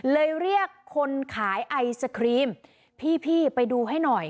เรียกคนขายไอศครีมพี่ไปดูให้หน่อย